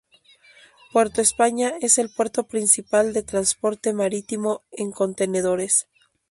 Puerto España es el puerto principal de transporte marítimo en contenedores.